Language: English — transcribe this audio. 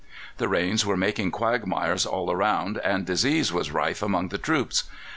The rains were making quagmires all around, and disease was rife among the troops.